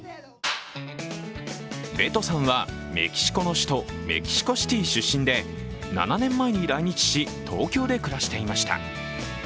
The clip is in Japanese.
ベトさんはメキシコの首都メキシコシティー出身で、７年前に来日し、東京で暮らしていました。